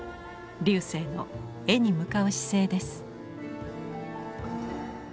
劉生の絵に向かう姿勢です。